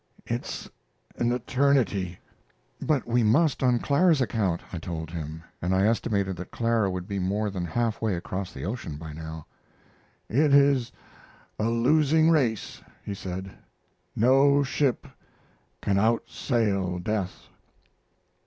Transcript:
"It's an eternity." "But we must on Clara's account," I told him, and I estimated that Clara would be more than half way across the ocean by now. "It is a losing race," he said; "no ship can outsail death."